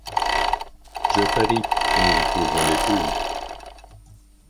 Je parie que nous y trouvons des poules !